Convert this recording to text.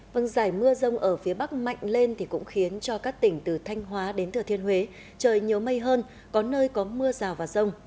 vâng giải mưa rông ở phía bắc mạnh lên thì cũng khiến cho các tỉnh từ thanh hóa đến thừa thiên huế trời nhiều mây hơn có nơi có mưa rào và rông